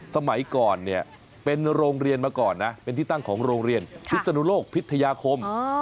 สมัยก่อนเนี่ยเป็นโรงเรียนมาก่อนนะเป็นที่ตั้งของโรงเรียนพิศนุโลกพิทยาคม